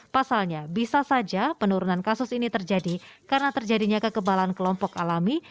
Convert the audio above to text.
pasalnya bisa saja penurunan kasus ini terjadi karena terjadinya kekebalan kelompok alami